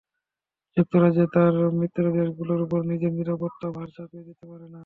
যুক্তরাজ্য তার মিত্রদেশগুলোর ওপর নিজের নিরাপত্তা ভার চাপিয়ে দিতে পারে না।